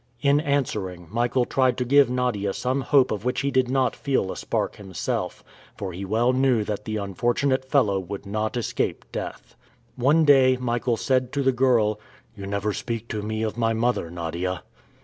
In answering, Michael tried to give Nadia some hope of which he did not feel a spark himself, for he well knew that the unfortunate fellow would not escape death. One day Michael said to the girl, "You never speak to me of my mother, Nadia."